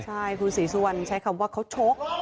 ใช่คุณศรีสุวรรณใช้คำว่าเขาชก